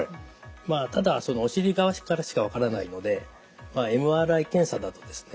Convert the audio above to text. ただお尻側からしか分からないのでＭＲＩ検査だとですね